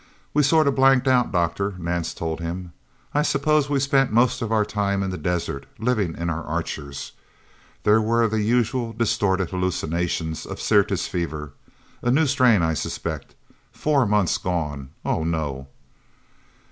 "We sort of blanked out, Doctor," Nance told him. "I suppose we spent most of our time in the desert, living in our Archers. There were the usual distorted hallucinations of Syrtis Fever. A new strain, I suspect... Four months gone? Oh, no...!"